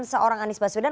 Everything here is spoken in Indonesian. seorang anies baswedan